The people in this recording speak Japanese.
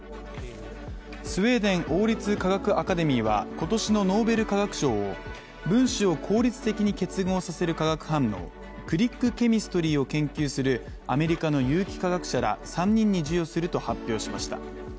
スウェーデン王立科学アカデミーは今年のノーベル化学賞を分子を効率的に結合させる化学反応、クリック・ケミストリーを研究するアメリカの有機化学者ら３人に授与すると発表しました。